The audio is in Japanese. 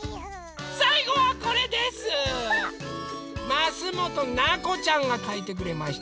ますもとなこちゃんがかいてくれました。